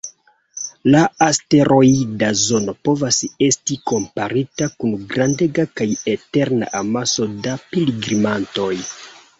La asteroida zono povas esti komparita kun grandega kaj eterna amaso da pilgrimantoj.